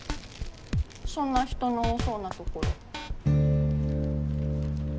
そんな人の多そうなところ。